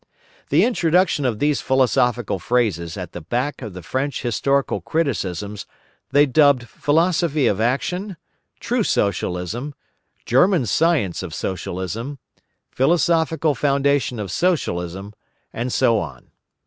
The introduction of these philosophical phrases at the back of the French historical criticisms they dubbed "Philosophy of Action," "True Socialism," "German Science of Socialism," "Philosophical Foundation of Socialism," and so on.